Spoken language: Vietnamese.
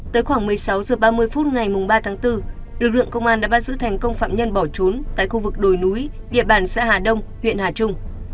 tới khoảng một mươi sáu h ba mươi phút ngày ba tháng bốn lực lượng công an đã bắt giữ thành công phạm nhân bỏ trốn tại khu vực đồi núi địa bàn xã hà đông huyện hà trung